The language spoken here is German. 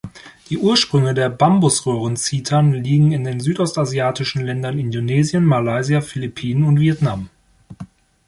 Die Ursprünge der Bambusröhrenzithern liegen in den südostasiatischen Ländern Indonesien, Malaysia, Philippinen und Vietnam.